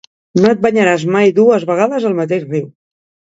No et banyaràs mai dues vegades al mateix riu.